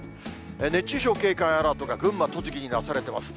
熱中症警戒アラートが群馬、栃木に出されてます。